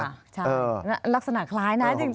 ใช่ลักษณะคล้ายนะจริง